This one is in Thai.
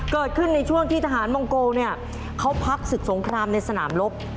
เกิดขึ้นในช่วงที่ทหารมองโกเนี่ยเขาพักศึกสงครามในสนามลบ